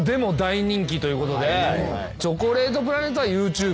チョコレートプラネットはＹｏｕＴｕｂｅで。